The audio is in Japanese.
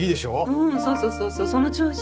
うんそうそうそうそうその調子。